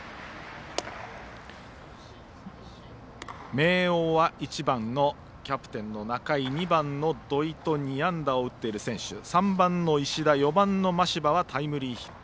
明桜は１番のキャプテンの中井２番の土居と２安打を打っている選手がいて３番の石田、４番の真柴はタイムリーヒット。